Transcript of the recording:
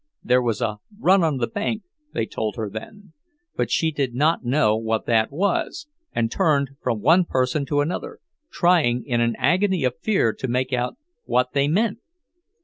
There was a "run on the bank," they told her then, but she did not know what that was, and turned from one person to another, trying in an agony of fear to make out what they meant.